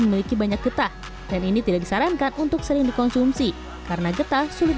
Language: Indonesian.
memiliki banyak getah dan ini tidak disarankan untuk sering dikonsumsi karena getah sulit